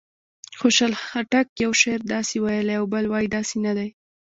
خوشحال خټک یو شعر داسې ویلی او بل وایي داسې نه دی.